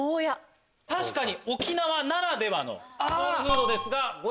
確かに沖縄ならではのソウルフードですが。